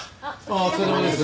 お疲れさまです。